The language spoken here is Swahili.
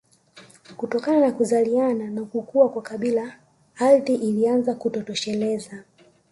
Kutokana na kuzaliana na kukua kwa kabila ardhi ilianza kutotosheleza